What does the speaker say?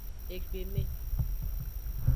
Egbeme.